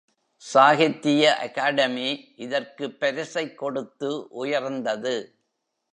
சாகித்திய academy, இதற்குப் பரிசைக் கொடுத்து உயர்ந்தது!